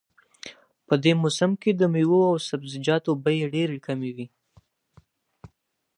په دې موسم کې د میوو او سبزیجاتو بیې ډېرې کمې وي